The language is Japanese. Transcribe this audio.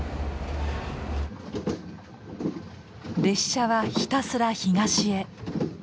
列車はひたすら東へ。